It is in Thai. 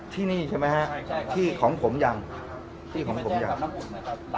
ที่นี่ใช่ไหมฮะใช่ครับที่ของผมยังที่ของผมอย่างที่มันแจ้งกับน้ำหุ่นนะครับ